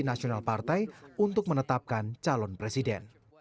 nasional partai untuk menetapkan calon presiden